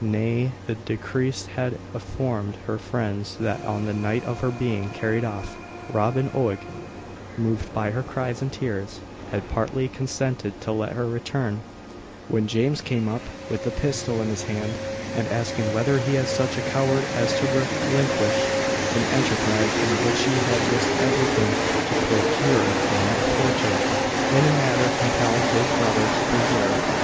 Nay, the deceased had informed her friends that on the night of her being carried off, Robin Oig, moved by her cries and tears, had partly consented to let her return, when James came up with a pistol in his hand, and, asking whether he was such a coward as to relinquish an enterprise in which he had risked everything to procure him a fortune, in a manner compelled his brother to persevere.